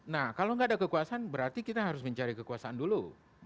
nah kalau nggak ada kekuasaan berarti kita harus mencari kekuasaan dulu